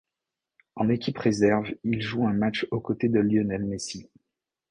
En équipe réserve, il joue un match aux côtés de Lionel Messi.